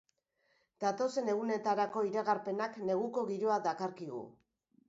Datozen egunetarako iragarpenak neguko giroa dakarkigu.